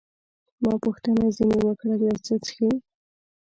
ما پوښتنه ځیني وکړل، یو څه څښئ؟